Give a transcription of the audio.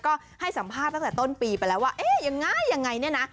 ก็ให้สัมภาษณ์ตั้งแต่ต้นปีไปแล้วว่าเอ๊ะยังไงยังไงเนี่ยนะ